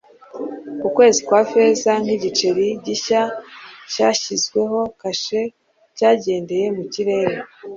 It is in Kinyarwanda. Ukwezi kwa feza nkigiceri gishya cyashyizweho kashe cyagendeye mu kirere